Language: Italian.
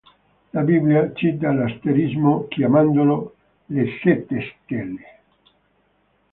La Bibbia cita l'asterismo chiamandolo "le sette stelle".